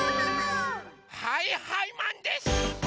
はいはいマンです！